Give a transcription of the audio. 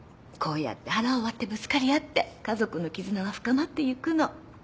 こうやって腹を割ってぶつかり合って家族の絆は深まっていくの。